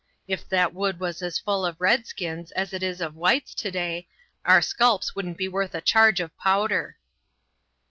If that wood was as full of redskins as it is of whites to day, our sculps wouldn't be worth a charge of powder."